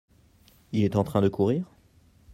Il est en train de courir ?